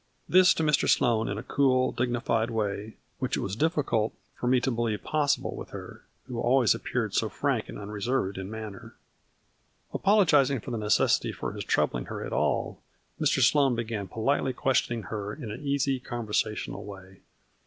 This to Mr. Sloane in a cool, dignified way which it was difficult for me to believe possible with her, who always appeared so frank and unreserved in manner. Apologizing for the necessity for his troubling her at all, Mr. Sloane began politely question ing her in an easy, conversational way.